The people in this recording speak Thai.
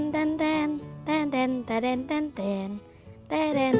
เดี๋ยวที่ข้าพ่อขัมพรหม